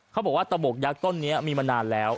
เขาบอกว่าตะบกยักษ์ต้นนี้มีมานานแล้ว